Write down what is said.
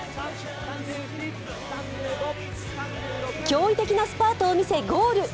驚異的なスパートを見せ、ゴール。